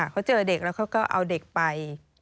เขาเจอเด็กแล้วเขาก็เอาเด็กไป